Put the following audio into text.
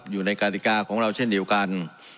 อยู่ในกฎิกาของเราเช่นเดียวกัน